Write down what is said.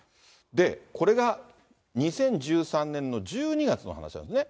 これが２０１３年の１２月の話なんですね。